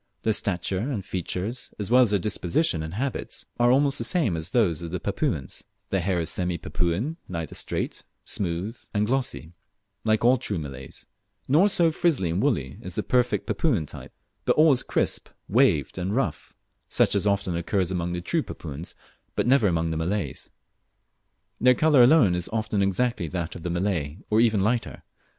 Their stature and their features, as well as their disposition and habits, are almost the same as those of the Papuans; their hair is semi Papuan neither straight, smooth, and glossy, like all true Malays', nor so frizzly and woolly as the perfect Papuan type, but always crisp, waved, and rough, such as often occurs among the true Papuans, but never among the Malays. Their colour alone is often exactly that of the Malay, or even lighter.